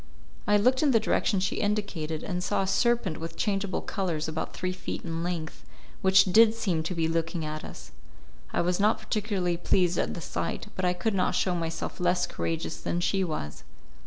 I looked in the direction she indicated, and saw a serpent with changeable colours about three feet in length, which did seem to be looking at us. I was not particularly pleased at the sight, but I could not show myself less courageous than she was.